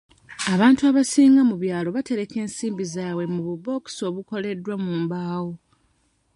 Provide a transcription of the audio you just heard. Abantu abasinga mu byalo batereka ensimbi zaabwe mu bubookisi obukoleddwa mu mbaawo.